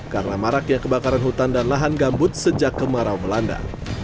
karena marakya kebakaran hutan dan lahan gambut sejak kemarau melanda